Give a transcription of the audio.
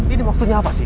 ini maksudnya apa sih